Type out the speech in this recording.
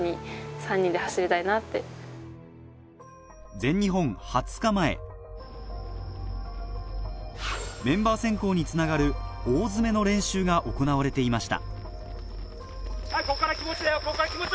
全日本２０日前メンバー選考につながる大詰めの練習が行われていました